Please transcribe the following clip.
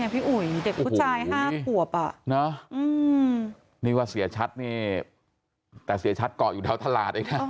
พี่อุ๋ยเด็กผู้ชาย๕ขวบนี่ว่าเสียชัดนี่แต่เสียชัดเกาะอยู่แถวตลาดเองนะ